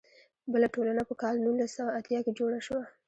بله ټولنه په کال نولس سوه اتیا کې جوړه شوه.